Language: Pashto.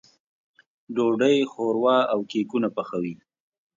ډوډۍ، ښوروا او کيکونه پخوي.